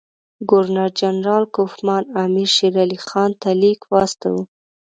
ګورنر جنرال کوفمان امیر شېرعلي خان ته لیک واستاوه.